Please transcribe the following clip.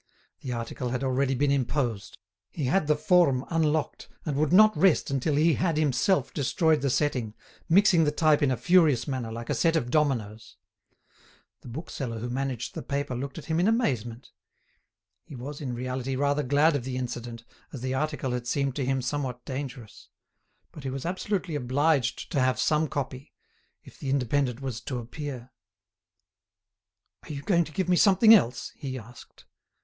The article had already been imposed. He had the forme unlocked and would not rest until he had himself destroyed the setting, mixing the type in a furious manner, like a set of dominoes. The bookseller who managed the paper looked at him in amazement. He was, in reality, rather glad of the incident, as the article had seemed to him somewhat dangerous. But he was absolutely obliged to have some copy, if the "Indépendant" was to appear. "Are you going to give me something else?" he asked.